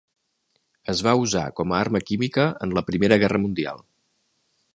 Es va usar com a arma química en la Primera Guerra Mundial.